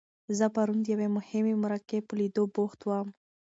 زه پرون د یوې مهمې مرکې په لیدو بوخت وم.